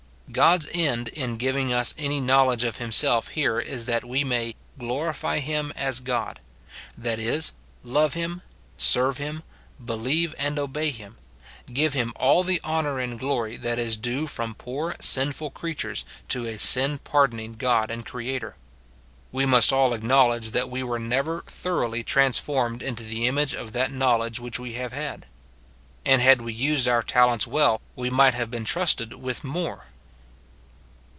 God's end in giving us any knowledge of him self here is that we may "glorify him as God;" that is, love him, serve him, believe and obey him, — give him all the honour and glory that is due from poor sinful crea tures to a sin pardoning God and Creator. We must all acknowledge that we were never thoroughly transformed into the image of that knowledge which we have had. And had we used our talents well, we might have been trusted with more.